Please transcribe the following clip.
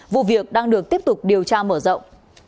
vụ việc đang được tiếp tục điều tra mở rộng